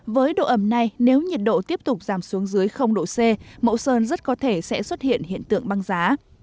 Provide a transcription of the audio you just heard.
với độ ẩm này nếu nhiệt độ tiếp tục giảm xuống dưới độ c mẫu sơn rất có thể sẽ xuất hiện hiện tượng băng giá